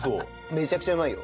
めちゃくちゃうまいよ。